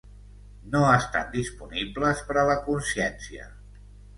no estan disponibles per a la consciència